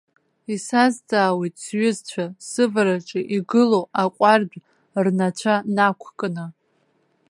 Исазҵаауеит сҩызцәа, сывараҿы игылоу аҟәардә рнацәа нақәкны.